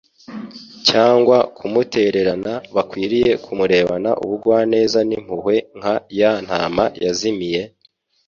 cyangwa kumutererana bakwiriye kumurebana ubugwaneza n'impuhwe nka ya ntama yazimiye;